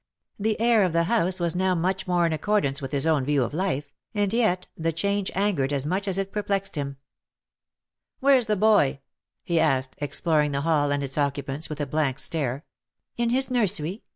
The air of the house was now much more in accordance with his own view of life, and yet the change angered as much as it perplexed him. " Whereas the boy ?" he asked, exploring the hall and its occupants, with a blank stare. ]04 ^^I WILL HAVE NO MERCY ON HIM/* "In his nursery.